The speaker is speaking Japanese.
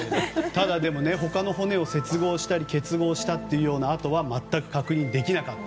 ただ、他の骨を接合したり結合した跡は全く確認できなかった。